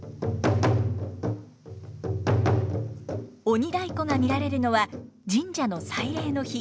鬼太鼓が見られるのは神社の祭礼の日。